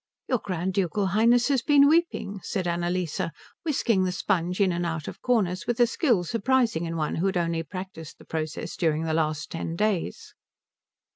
"Your Grand Ducal Highness has been weeping," said Annalise, whisking the sponge in and out of corners with a skill surprising in one who had only practised the process during the last ten days.